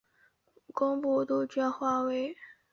工布杜鹃为杜鹃花科杜鹃属下的一个种。